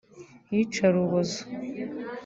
iyicarubozo